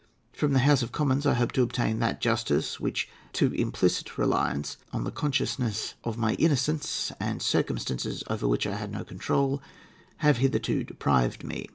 From the House of Commons I hope to obtain that justice of which too implicit reliance on the consciousness of my innocence, and circumstances over which I had no control, have hitherto deprived me.